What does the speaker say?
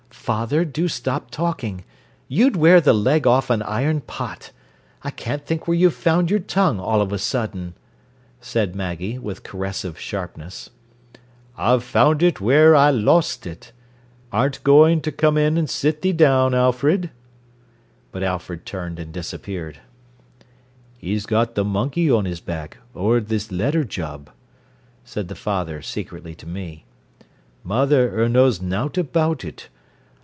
"Father, do stop talking. You'd wear the leg off an iron pot. I can't think where you've found your tongue, all of a sudden," said Maggie, with caressive sharpness. "Ah've found it wheer I lost it. Aren't goin' ter come in an' sit thee down, Alfred?" But Alfred turned and disappeared. "'E's got th' monkey on 'is back, ower this letter job," said the father secretly to me. "Mother 'er knows nowt about it.